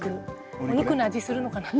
お肉の味するのかなって。